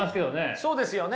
そうですよね。